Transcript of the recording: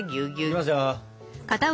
いきますよ。